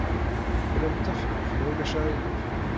Tlamt tafrut, ma ulac aɣilif?